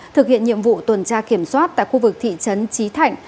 thực hiện nhiệm vụ tuần tra kiểm soát tại khu vực thị trấn trí thạnh